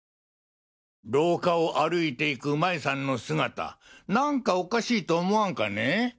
廊下を歩いていく麻衣さんの姿何かおかしいと思わんかね。